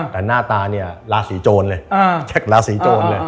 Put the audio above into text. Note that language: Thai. แต่หน้าตาเนี่ยราศีโจรเลยเช็คราศีโจรเลย